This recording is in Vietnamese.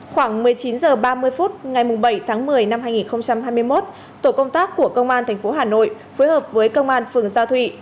khoảng một mươi chín h ba mươi phút ngày bảy tháng một mươi năm hai nghìn hai mươi một tổ công tác của công an tp hà nội phối hợp với công an phường gia thụy